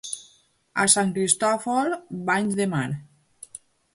A Sant Cristòfol, banys de mar.